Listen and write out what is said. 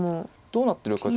どうなってるか。